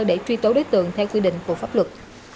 để truy tố đối tượng theo quy định của pháp luật